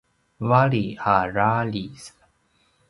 vali a raljiz